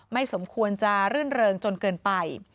สมควรจะรื่นเริงจนเกินไป